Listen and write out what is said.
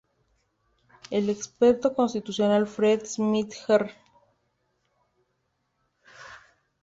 El experto constitucional Fred Smith Jr.